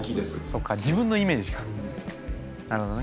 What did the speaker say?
そっか自分のイメージかなるほどね。